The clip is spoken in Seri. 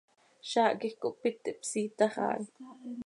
Zaah quij cohpít, ihpsiitax haa hi.